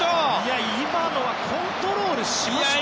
今のはコントロールしましたよね。